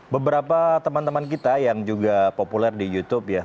beberapa teman teman kita yang juga populer di youtube ya